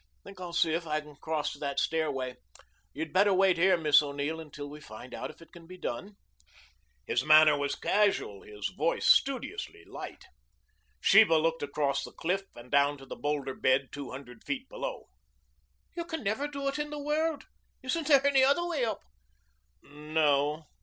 "Think I'll see if I can cross to that stairway. You had better wait here, Miss O'Neill, until we find out if it can be done." His manner was casual, his voice studiously light. Sheba looked across the cliff and down to the boulder bed two hundred feet below. "You can never do it in the world. Isn't there another way up?" "No.